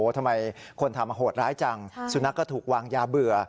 ทำไมคนทำโหดร้ายจังสุนัขก็ถูกวางยาเบื่อ